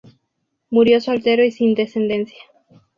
Murió soltero y sin descendencia.